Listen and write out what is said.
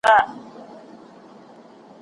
کره معلومات ترلاسه کړئ.